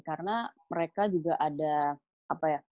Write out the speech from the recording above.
karena mereka juga ada apa ya